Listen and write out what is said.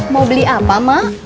mau beli apa mak